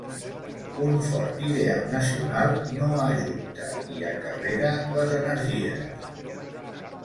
un fort ideal nacional no ajunta i acarrera les energies